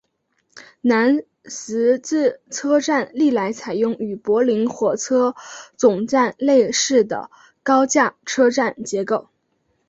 南十字车站历来采用与柏林火车总站类似的高架车站结构。